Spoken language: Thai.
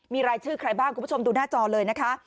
มีรายชื่อใครบ้างคุณผู้ชมดูหน้าจอเลยนะคะ